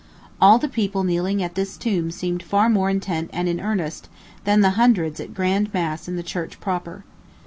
All the people kneeling at this tomb seemed far more intent and in earnest than the hundreds at grand mass in the church proper.